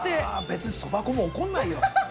◆別に、そば粉も怒んないよ